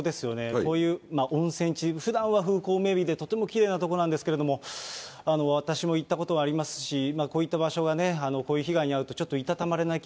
こういう温泉地、ふだんは風光明媚でとてもきれいな所なんですけど、私も行ったことがありますし、こういった場所がこういう被害に遭うとちょっといたたまれない気